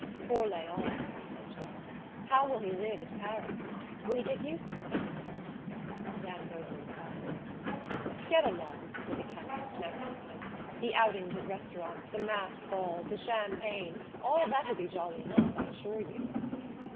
"Poor Léon!" said Charles. "How will he live at Paris? Will he get used to it?" Madame Bovary sighed. "Get along!" said the chemist, smacking his lips. "The outings at restaurants, the masked balls, the champagne all that'll be jolly enough, I assure you."